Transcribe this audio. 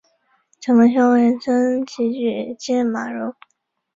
城门校尉岑起举荐马融。